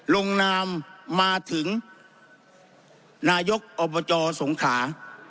ลงนามมาถึงนายกอบจสงขา